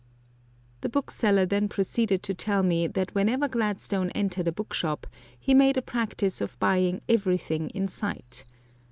The bookseller then proceeded to tell me that whenever Gladstone entered a bookshop he made a practice of buying everything in sight.